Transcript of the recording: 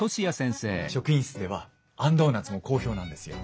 職員室ではあんドーナツも好評なんですよ。